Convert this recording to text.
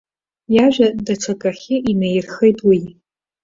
Иажәа даҽакахьы инаирхеит уи.